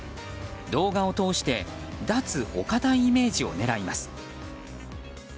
動画を通して脱・お堅いイメージを狙います。